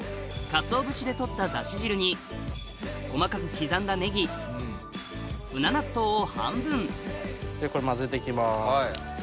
かつお節で取っただし汁に細かく刻んだねぎ舟納豆を半分でこれまぜていきます。